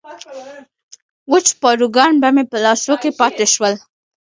وچ پاروګان به مې په لاسو کې پاتې شول.